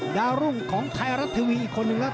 ดาลุงของไทยรัสทีวีอีกคนอื่นครับ